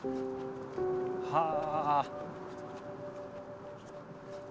はあ。